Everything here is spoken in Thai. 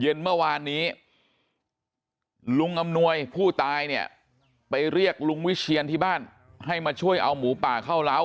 เย็นเมื่อวานนี้ลุงอำนวยผู้ตายเนี่ยไปเรียกลุงวิเชียนที่บ้านให้มาช่วยเอาหมูป่าเข้าเล้า